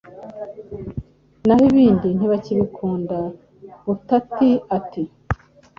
naho ibindi ntibakibikunda butati ati